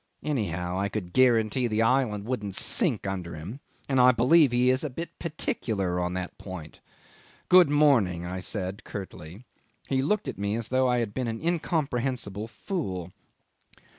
"Anyhow, I could guarantee the island wouldn't sink under him and I believe he is a bit particular on that point." "Good morning," I said curtly. He looked at me as though I had been an incomprehensible fool.